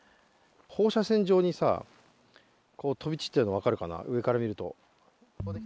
放射線状に飛び散ってるの分かるかな、上から見ると。